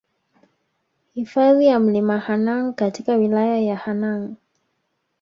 Hifadhi ya Mlima Hanang katika wilaya Hanang